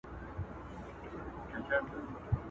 هر یو زوی به دي له ورور سره دښمن وي٫